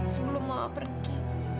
sebelum mama pergi